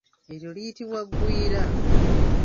Eryo liyitibwa ngwiira.